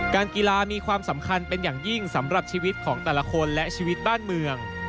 การกีฬามีความสำคัญเป็นอย่างยิ่งสำหรับชีวิตของแต่ละคนและชีวิตบ้านเมือง